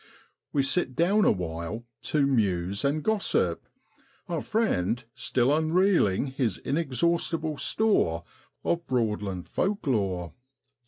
We sit down awhile to muse and gossip, our friend still unreeling his inexhaustible store of Broadland folk lore.